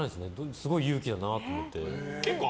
すごい勇気だなと思って。